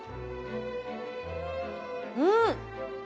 うん！